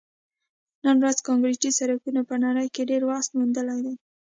نن ورځ کانکریټي سړکونو په نړۍ کې ډېر وسعت موندلی دی